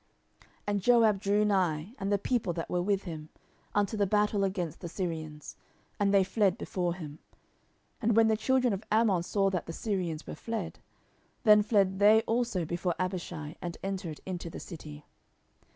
10:010:013 And Joab drew nigh, and the people that were with him, unto the battle against the Syrians: and they fled before him. 10:010:014 And when the children of Ammon saw that the Syrians were fled, then fled they also before Abishai, and entered into the city.